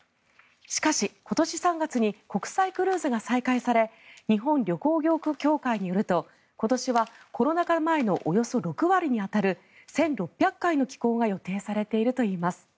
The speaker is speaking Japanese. しかし、今年３月に国際クルーズが再開され日本旅行業協会によると今年はコロナ禍前のおよそ６割に当たる１６００回の寄港が予定されているといいます。